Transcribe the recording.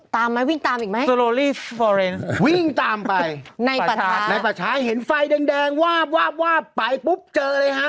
ตามไหมวิ่งตามอีกไหมวิ่งตามไปในปัดช้าเห็นไฟแดงวาบไปปุ๊บเจออะไรฮะ